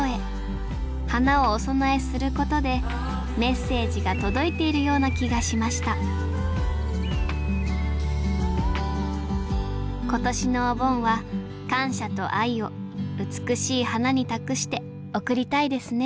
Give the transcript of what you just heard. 花をお供えすることでメッセージが届いているような気がしました今年のお盆は感謝と愛を美しい花に託して送りたいですね